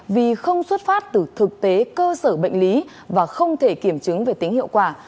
vì không xuất phát từ thực tế cơ sở bệnh lý và không thể kiểm chứng về tính hiệu quả